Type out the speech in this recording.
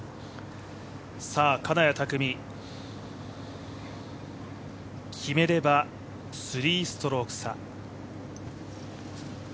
金谷拓実、決めれば３ストローク差。